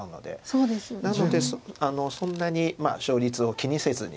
なのでそんなに勝率を気にせずに。